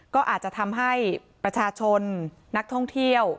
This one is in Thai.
ก็อาจจะทำให้ประชาชนนักท่องเที่ยว